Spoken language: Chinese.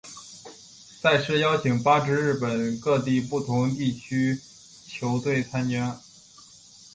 赛事邀请八支日本各地不同地区球队参赛。